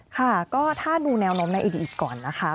ค่ะก็ถ้าดูแนวโน้มในอดีตก่อนนะคะ